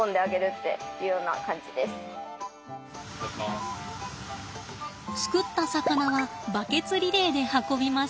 すくった魚はバケツリレーで運びます。